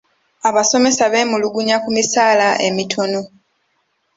Abasomesa beemulugunya ku misaala emitono.